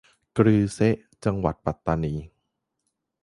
กรือเซะ - จังหวัดปัตตานี